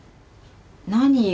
何よ。